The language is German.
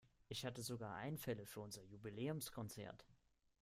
Ich hatte sogar Einfälle für unser Jubiläumskonzert.